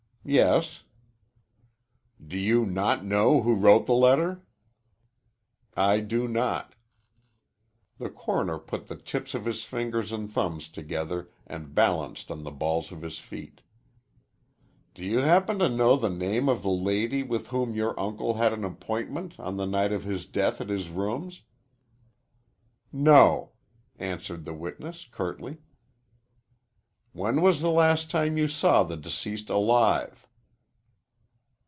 "Yes." "You do not know who wrote the letter?" "I do not." The coroner put the tips of his fingers and thumbs together and balanced on the balls of his feet. "Do you happen to know the name of the lady with whom your uncle had an appointment on the night of his death at his rooms?" "No," answered the witness curtly. "When was the last time you saw the deceased alive?"